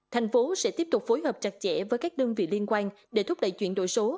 thành phố sẽ tiếp tục phối hợp chặt chẽ với các đơn vị liên quan để thúc đẩy chuyển đổi số